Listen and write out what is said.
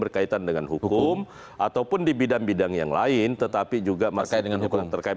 berkaitan dengan hukum ataupun di bidang bidang yang lain tetapi juga masih dengan hukum terkait